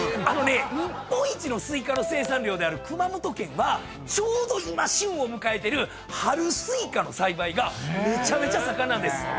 日本一のスイカの生産量である熊本県はちょうど今旬を迎えてる春スイカの栽培がめちゃめちゃ盛んなんです。